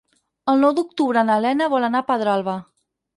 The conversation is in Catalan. El nou d'octubre na Lena vol anar a Pedralba.